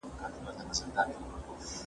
بې هدفه ژوند د کښتۍ بې بادبانه ده.